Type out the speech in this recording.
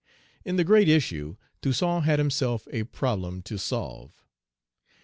In the great issue, Toussaint had himself a problem to solve.